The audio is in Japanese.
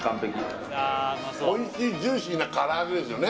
おいしいジューシーな唐揚げですよね